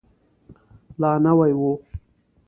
لا نوی و.